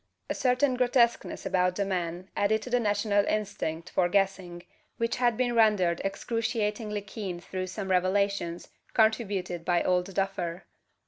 A certain grotesqueness about the man added to the national instinct for guessing which had been rendered excruciatingly keen through some revelations, contributed by "Old Duffer."